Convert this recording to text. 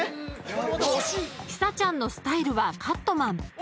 ［日咲ちゃんのスタイルはカットマン］